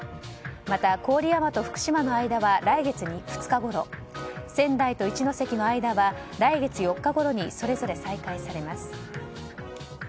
また、郡山と福島の間は来月２日ごろ仙台と一ノ関の間は来月４日ごろにそれぞれ再開されます。